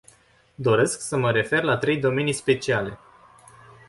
Doresc să mă refer la trei domenii speciale.